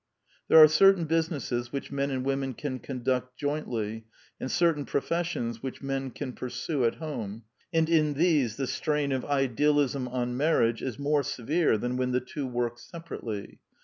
There are certain businesses which men and women can conduct jointly, and certain professions which men can pursue at home; and in these the strain of idealism on marriage is more severe than when the two work separately.